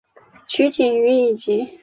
取景于以及。